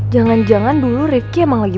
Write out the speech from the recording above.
jangan jangan dulu rifki emang lagi